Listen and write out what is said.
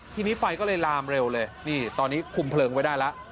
ทีนี้ไฟก็เลยลามเร็วเลยนี่ตอนนี้คุมเพลิงไว้ได้แล้ว